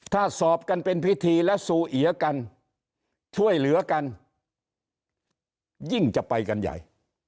ถ้าสอบกันเป็นพิธีและซูเอียกันช่วยเหลือกันยิ่งจะไปกันใหญ่